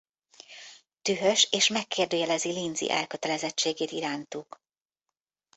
Dühös és megkérdőjelezi Lindsay elkötelezettségét irántuk.